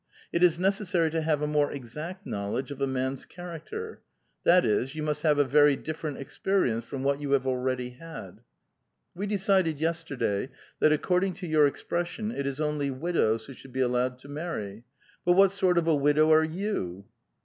It is necessary to have a more exact knowledge of a man's character ; that is, yon must have a very different experience from what jou have already had. We decided yesterday that according to your expression it is only widows who should be allowed to marry. But what sort of a widow arc you?